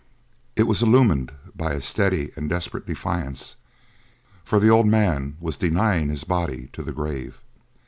It was illumined by a steady and desperate defiance, for the old man was denying his body to the grave.